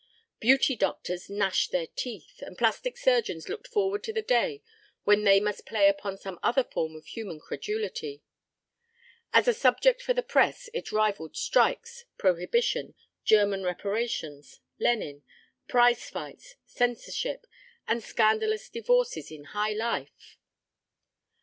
Beauty doctors gnashed their teeth, and plastic surgeons looked forward to the day when they must play upon some other form of human credulity. As a subject for the press it rivalled strikes, prohibition, German reparations, Lenin, prize fights, censorship and scandalous divorces in high life.